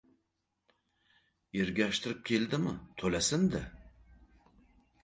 Ergashtirib keldimi, to‘lasin-da!